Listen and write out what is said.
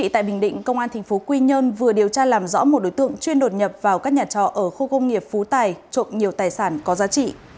tại bình định công an tp quy nhơn vừa điều tra làm rõ một đối tượng chuyên đột nhập vào các nhà trọ ở khu công nghiệp phú tài trộm nhiều tài sản có giá trị